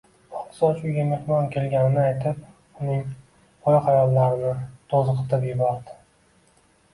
Oqsoch uyga mehmon kelganini aytib, uning o`y-xayollarini to`zg`itib yubordi